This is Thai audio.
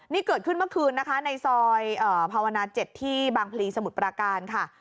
นี่เกิดขึ้นเมื่อคืนนะคะในซอยภาวนา๗ที่บางพลีสมุทรปราการค่ะ